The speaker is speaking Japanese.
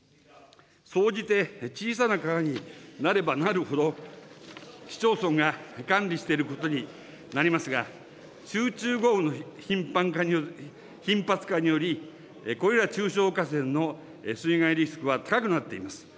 総じて、小さな川になればなるほど、市町村が管理していることになりますが、集中豪雨の頻発化により、これら中小河川の水害リスクは高くなっています。